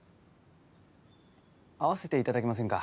会わせて頂けませんか？